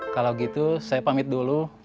kalau gitu saya pamit dulu